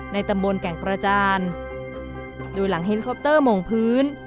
ตำบลแก่งกระจานโดยหลังเฮลิคอปเตอร์โมงพื้น